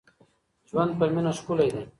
ژوند په مینه ښکلی دی.